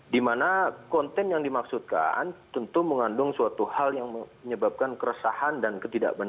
dimana konten yang dimaksudkan tentu mengandung suatu hal yang menyebabkan keresahan dan ketidakbenaran